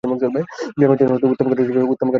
ব্যায়ামের জন্যেও উত্তম ক্ষেত্র হিসেবে বিবেচিত।